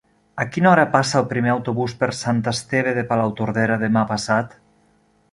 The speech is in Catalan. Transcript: A quina hora passa el primer autobús per Sant Esteve de Palautordera demà passat?